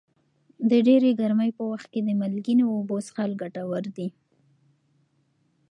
د ډېرې ګرمۍ په وخت کې د مالګینو اوبو څښل ګټور دي.